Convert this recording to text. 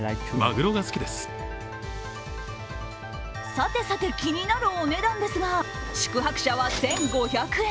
さてさて、気になるお値段ですが宿泊者は１５００円。